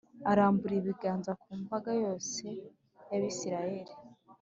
aramburiye ibiganza ku mbaga yose y’Abayisraheli,